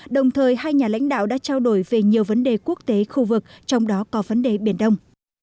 đồng thời hai nhà lãnh đạo đã trao đổi về nhiều vấn đề quốc tế khu vực trong đó có vấn đề biển đông